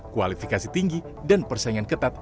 kualifikasi tinggi dan persaingan ketat